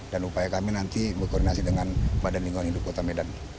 upaya kami nanti berkoordinasi dengan badan lingkungan hidup kota medan